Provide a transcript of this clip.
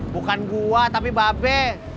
bukan gua tapi babe